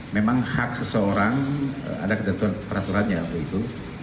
memang hak seseorang ada ketentuan peraturannya waktu itu